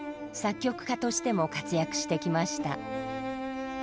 作曲家としても活躍してきました。